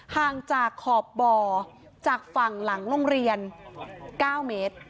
ห่างจากขอบบ่อจากฝั่งหลังโรงเรียน๙เมตร